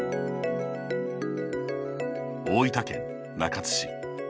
大分県中津市。